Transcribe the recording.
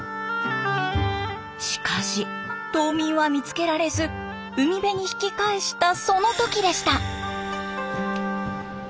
しかし島民は見つけられず海辺に引き返したその時でした！